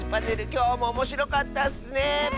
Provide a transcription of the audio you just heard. きょうもおもしろかったッスね！